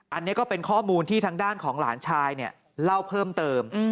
อันนี้ก็เป็นข้อมูลที่ทางด้านของหลานชายเล่าเพิ่มเติม